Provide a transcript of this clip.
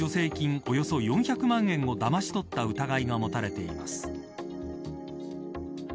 およそ４００万円をだまし取った疑いが持たれています。